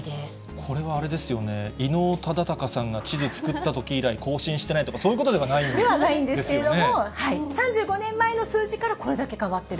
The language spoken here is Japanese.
これはあれですよね、伊能忠敬さんが地図作ったとき以来、更新してないとか、そういうではないんですけれども、３５年前の数字からこれだけ変わってる。